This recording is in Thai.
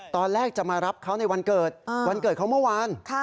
ตอนแรกจะมารับเขาในวันเกิดวันเกิดเขาเมื่อวาน